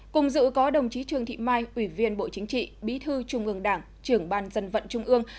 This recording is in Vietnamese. cùng dự có đồng chí trương thị mai ủy viên bộ chính trị bí thư trung ương đảng trưởng ban dân vận trung ương